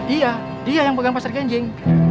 iya dia yang pegang pasar kenjing